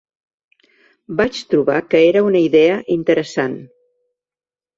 Vaig trobar que era una idea interessant.